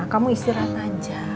kamu istirahat aja